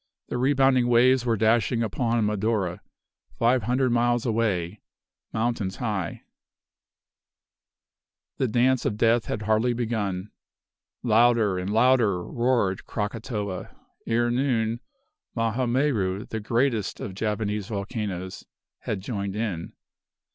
The rebounding waves were dashing upon Madura, five hundred miles away, mountains high. [Illustration: CATTLE IN VOLCANIC MUD.] The dance of death had hardly begun. Louder and louder roared Krakatoa; ere noon, Maha Meru, the greatest of Javanese volcanoes, had joined in.